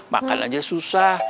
makan aja susah